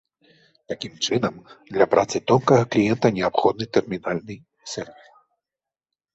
Такім чынам, для працы тонкага кліента неабходны тэрмінальны сервер.